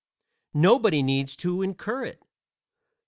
nobody needs to incur it.